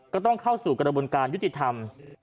ก็ต้องเข้าสู่กระบวนการยุติธรรม